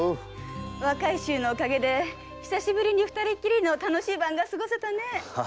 若い衆のお陰で久しぶりに二人きりの楽しい晩が過ごせたね。